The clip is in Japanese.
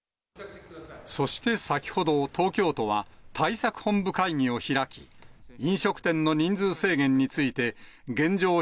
そして先ほど、東京都は、対策本部会議を開き、飲食店の人数制限について、現状